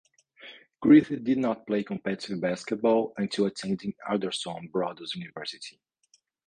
Griffith did not play competitive basketball until attending Alderson Broaddus University.